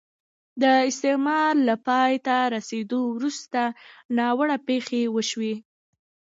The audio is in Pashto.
د استعمار له پای ته رسېدو وروسته ناوړه پېښې وشوې.